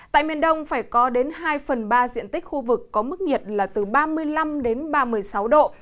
tại miền đông phải có đến hai phần ba diện tích khu vực có mức nhiệt là từ ba mươi năm đến ba mươi sáu độ